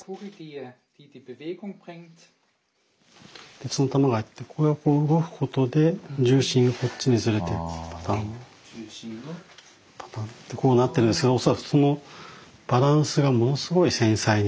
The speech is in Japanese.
鉄の玉が入ってこれがこう動くことで重心がこっちにずれてパタンパタンってこうなってるんですけど恐らくそのふん。